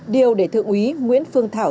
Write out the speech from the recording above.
điều để thượng úy nguyễn phương thảo